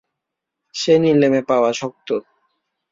সে নিলেমে পাওয়া শক্ত।